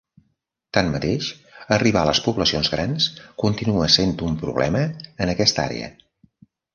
Tanmateix, arribar a les poblacions grans continua sent un problema en aquesta àrea.